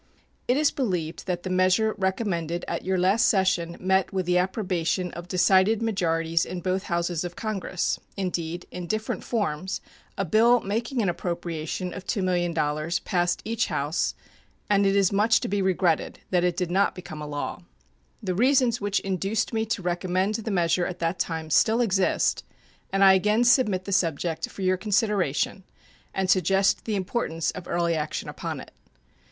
It is believed that the measure recommended at your last session met with the approbation of decided majorities in both Houses of Congress. Indeed, in different forms, a bill making an appropriation of $2,000,000 passed each House, and it is much to be regretted that it did not become a law. The reasons which induced me to recommend the measure at that time still exist, and I again submit the subject for your consideration and suggest the importance of early action upon it.